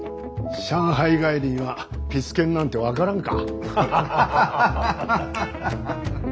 上海帰りにはピス健なんて分からんか。